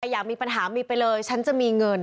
อยากมีปัญหามีไปเลยฉันจะมีเงิน